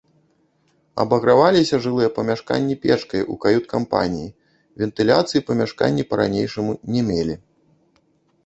Абаграваліся жылыя памяшканні печкай у кают-кампаніі, вентыляцыі памяшканні па-ранейшаму не мелі.